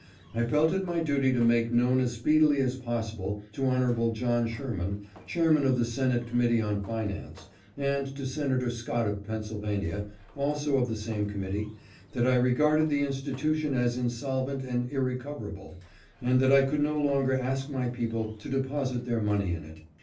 I felt it my duty to make known as speedily as possible to Hon. John Sherman, Chairman of the Senate Committee on Finance, and to Senator Scott of Pennsyl vania, also of the same committee, that I regarded the 492 THE BANK CLOSED. institution as insolvent and irrecoverable, and that I could no longer ask my people to deposit their money in it.